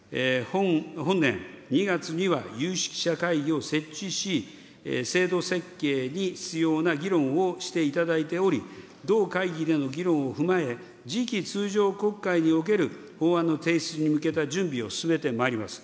本年２月には有識者会議を設置し、制度設計に必要な議論をしていただいており、同会議での議論を踏まえ、次期通常国会における法案の提出に向けた準備を進めてまいります。